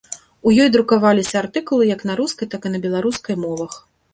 У ёй друкаваліся артыкулы як на рускай, так і на беларускай мовах.